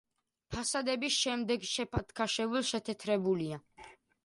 ფასადები შემდეგ შებათქაშებულ-შეთეთრებულია.